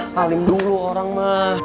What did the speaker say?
salim dulu orang mah